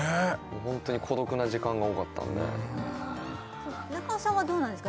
ホントに孤独な時間が多かったんで中尾さんはどうなんですか？